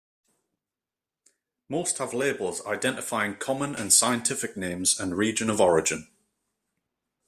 Most have labels identifying common and scientific names and region of origin.